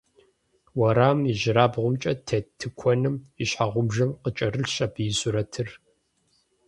Уэрамым и ижьрабгъумкӀэ тет тыкуэным и щхьэгъубжэм къыкӀэрылъщ абы и сурэтыр.